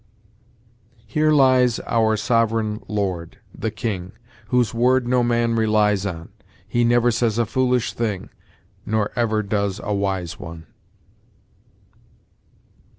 "Here lies our sovereign lord, the king, Whose word no man relies on; He never says a foolish thing, Nor ever does a wise one."